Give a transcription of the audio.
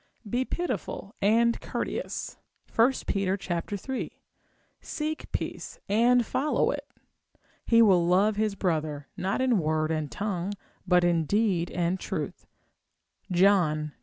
Be pitiful and courteous, 1 Pet. iii. Seek peace and follow it. He will love his brother, not in word and tongue, but in deed and truth, John iii.